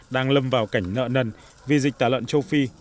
đang lâm vào cảnh nợ nần vì dịch tả lợn châu phi